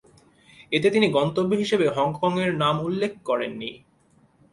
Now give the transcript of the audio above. এতে তিনি গন্তব্য হিসেবে হংকংয়ের নাম উল্লেখ করেননি।